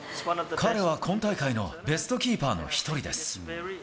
彼は今大会のベストキーパーの一人です。